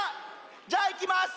じゃあいきます。